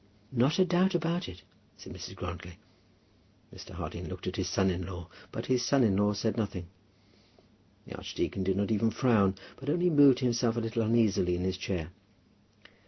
"Not a doubt about it," said Mrs. Grantly. Mr. Harding looked at his son in law, but his son in law said nothing. The archdeacon did not even frown, but only moved himself a little uneasily in his chair.